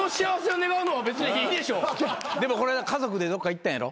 でもこないだ家族でどっか行ったんやろ？